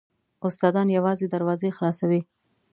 استادان یوازې دروازې خلاصوي .